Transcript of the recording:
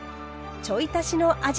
ちょい足しの味